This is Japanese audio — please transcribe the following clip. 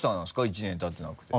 １年たってなくて。